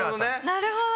なるほど！